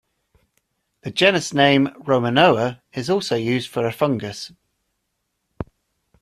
The genus name "Romanoa" is also used for a fungus.